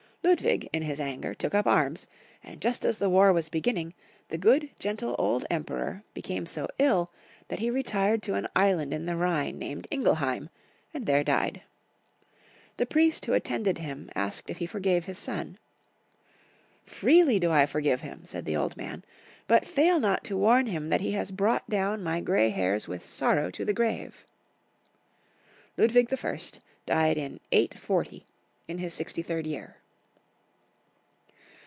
Ludwig, in his anger, took up arms, and just as the war was beginning, the good gentle old Emperor became so ill that he retired t6 an island in the Rhine named Ingelheim, and there died. The priest who at tended him asked if lie forgave his son. " Freely Ludwig /., the Piou9. 77 do I forgive him," said the old man ;" but fail not to warn him that he has brought down my grey hairs with sorrow to the grave." Ludwig I. died in 840, ill his sixty third year.